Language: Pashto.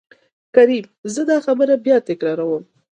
کريم :زه دا خبره بيا تکرار وم.